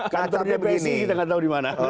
kacarnya bsi kita gak tau dimana